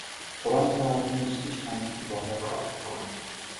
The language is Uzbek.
Qur’on tilovatini eshitish ham ibodatdir...